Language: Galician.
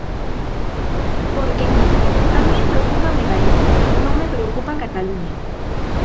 Porque, mire, a min preocúpame Galiza, non me preocupa Cataluña.